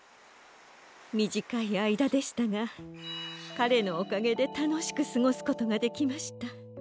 みじかいあいだでしたがかれのおかげでたのしくすごすことができました。